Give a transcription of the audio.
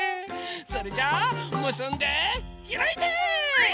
それじゃあむすんでひらいて！